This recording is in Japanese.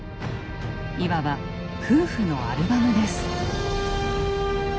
いわば「夫婦のアルバム」です。